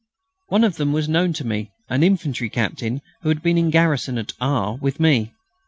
One of them was known to me, an infantry captain who had been in garrison at R. with me.